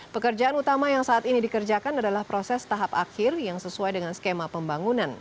pekerjaan utama yang saat ini dikerjakan adalah proses tahap akhir yang sesuai dengan skema pembangunan